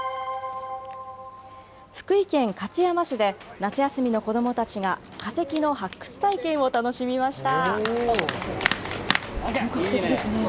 福井県勝山市で夏休みの子どもたちが化石の発掘体験を楽しみました。